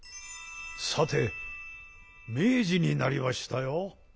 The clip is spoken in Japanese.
さて明治になりましたよ。